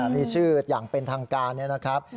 มีชื่ออย่างเป็นทางการเนี่ยนะครับ